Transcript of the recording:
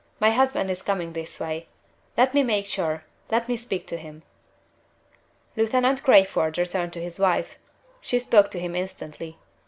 My husband is coming this way. Let me make sure. Let me speak to him." Lieutenant Crayford returned to his wife. She spoke to him instantly.